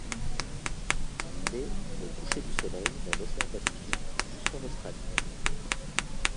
Il l'est au coucher du soleil dans l'océan Pacifique, jusqu'en Australie.